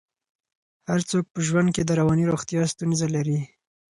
هر څوک په ژوند کې د رواني روغتیا ستونزه لري.